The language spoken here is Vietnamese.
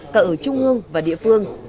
cả ở trung ương và địa phương